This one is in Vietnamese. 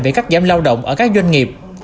về các giám lao động ở các doanh nghiệp